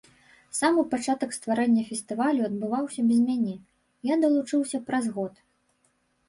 Самы пачатак стварэння фестывалю адбываўся без мяне, я далучыўся праз год.